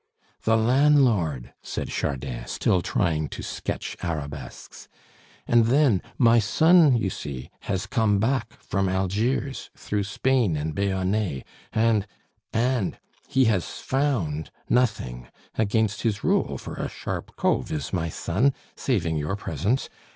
"The lan'lord!" said Chardin, still trying to sketch arabesques. "And then my son, you see, has come back from Algiers through Spain and Bayonee, and, and he has found nothing against his rule, for a sharp cove is my son, saving your presence.